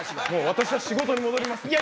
私は仕事に戻りますね。